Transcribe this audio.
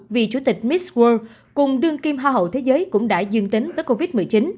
vì chủ tịch miss world cùng đương kim hoa hậu thế giới cũng đã dương tính tới covid một mươi chín